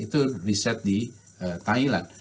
itu riset di thailand